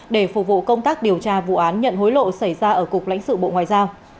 để phục vụ công tác điều tra vụ án nhận hối lộ xảy ra ở cục lãnh sự bộ ngoại giao